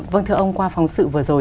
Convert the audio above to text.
vâng thưa ông qua phóng sự vừa rồi